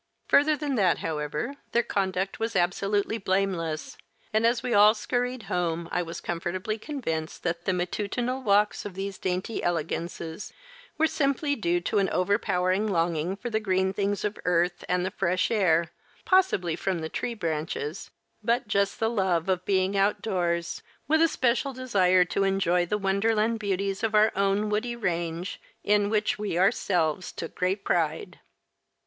Further than that, however, their conduct was absolutely blameless, and as we all scurried home I was comfortably convinced that the matutinal walks of these dainty elegances were simply due to an overpowering longing for the green things of earth and the fresh air, possibly from the tree branches, but just the love of being out of doors, with a special desire to enjoy the wonderland beauties of our own woody range, in which we ourselves took great pride.